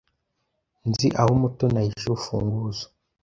Nzi aho Mutoni ahisha urufunguzo.